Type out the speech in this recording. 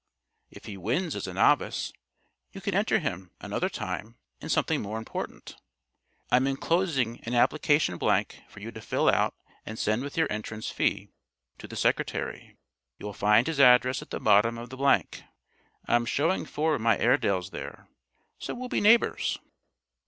If he wins as a Novice, you can enter him, another time, in something more important. I'm inclosing an application blank for you to fill out and send with your entrance fee, to the secretary. You'll find his address at the bottom of the blank. I'm showing four of my Airedales there so we'll be neighbors."